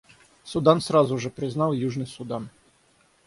Судан сразу же признал Южный Судан.